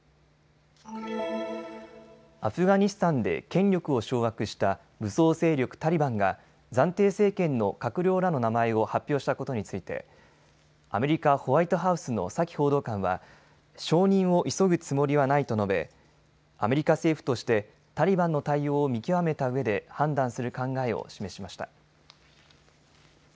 アフガニスタンで権力を掌握した武装勢力タリバンが暫定政権の閣僚らの名前を発表したことについてアメリカ・ホワイトハウスのサキ報道官は承認を急ぐつもりはないと述べアメリカ政府としてタリバンの対応を見極めたうえで判断する考えを示しました。